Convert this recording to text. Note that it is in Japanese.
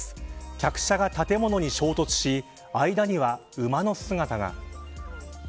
客車が建物に衝突し間には馬の姿が。